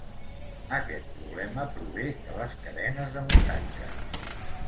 Aquest problema prové de les cadenes de muntatge.